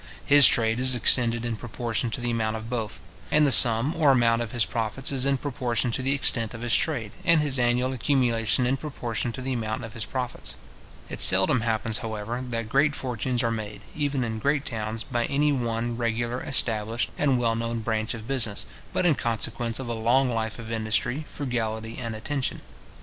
His trade is extended in proportion to the amount of both; and the sum or amount of his profits is in proportion to the extent of his trade, and his annual accumulation in proportion to the amount of his profits. It seldom happens, however, that great fortunes are made, even in great towns, by any one regular, established, and well known branch of business, but in consequence of a long life of industry, frugality, and attention.